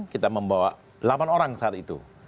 kita membawa delapan orang saat itu